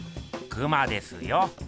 クマですよ。